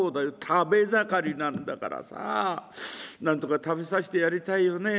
食べ盛りなんだからさなんとか食べさせてやりたいよね」。